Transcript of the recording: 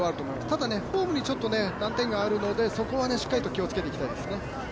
ただ、フォームに難点があるのでそこは気をつけていきたいですね。